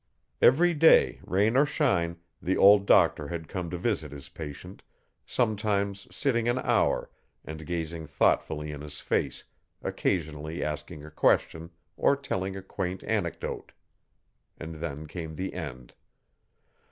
Every day, rain or shine, the old doctor had come to visit his patient, sometimes sitting an hour and gazing thoughtfully in his face, occasionally asking a question, or telling a quaint anecdote. And then came the end.